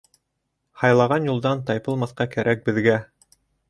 Һайлаған юлдан тайпылмаҫҡа кәрәк беҙгә.